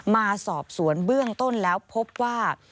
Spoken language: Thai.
มาสอบสวนเบื้องต้นแล้วพบว่า